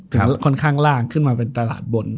ค่อนข้างล่างขึ้นมาเป็นตลาดบน